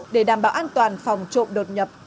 để đảm bảo an toàn phòng trộm đột nhập